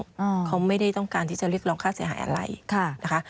อืมเขาไม่ได้ต้องการที่จะเรียกร้องค่าเสียหายอะไรค่ะนะคะ